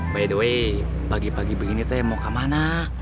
by the way pagi pagi begini teh mau kemana